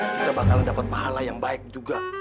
kita bakal dapat pahala yang baik juga